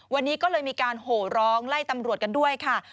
วันนี้ก็เลยมีการโหร้องไล่ตำรวจกันด้วยค่ะ